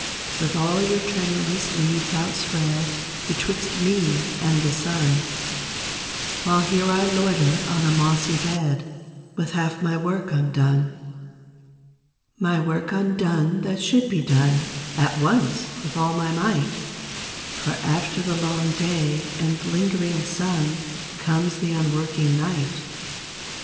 With all your tremulous leaves outspread Betwixt me and the sun, While here I loiter on a mossy bed With half my work undone ; 172 FROM QUEENS' GARDENS. My work undone, that should be done At once with all my might; For after the long day and lingering sun Comes the unworking night.